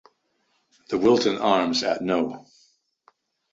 The Wilton Arms at no.